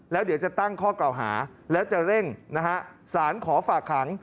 แล้วเดี๋ยวจะตั้งข้อเก่าหาแล้วจะเร่งนะฮะสารขอฝากขัง